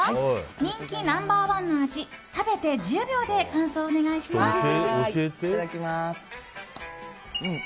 人気ナンバー１の味食べて１０秒でいただきます。